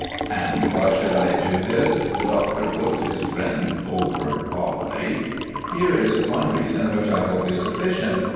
"And why should I do this?" The doctor looked his friend over oddly. "Here is one reason which I hope is sufficient."